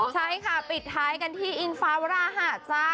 ใช่ค่ะปิดท้ายกันที่อิงฟ้าวราหะจ้า